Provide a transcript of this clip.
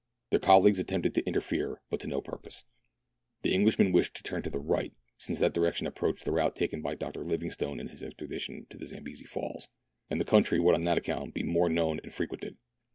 Their colleagues attempted to interfere, but to no purpose. The Englishman wished to turn to the right, since that direction approached the route taken by Dr. Livingstone in his expedition to the Zambesi Falls, and the countiy would on that account be more known and frequented.